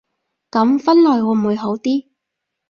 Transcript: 噉分類會唔會好啲